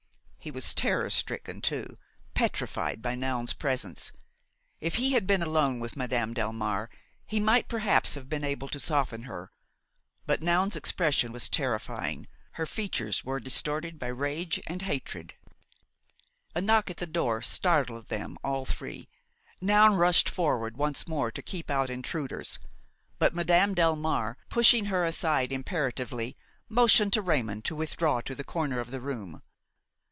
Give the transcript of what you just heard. He was terror stricken, too, petrified by Noun's presence. If he had been alone with Madame Delmare, he might perhaps have been able to soften her. But Noun's expression was terrifying; her features were distorted by rage and hatred. A knock at the door startled them all three. Noun rushed forward once more to keep out intruders; but Madame Delmare, pushing her aside imperatively, motioned to Raymon to withdraw to the corner of the room.